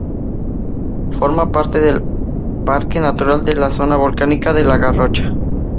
Forma parte del parque natural de la Zona Volcánica de La Garrocha.